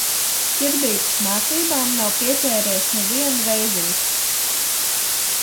Ķirbītis mācībām nav pieķēries nevienu reizīti.